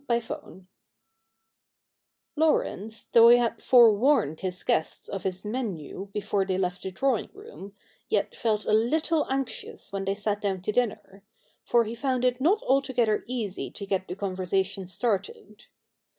CHAPTER III Laurence, though he had forewarned his guests of his me7iu before they left the drawing room, yet felt a little anxious when they sat down to dinner ; for he found it not altogether easy to get the conversation started.